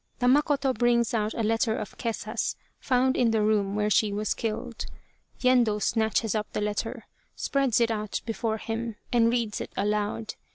Tamakoto brings out a letter of Kesa's found in the room where she was killed. Yendo snatches up the letter, spreads it out before him, and reads it aloud.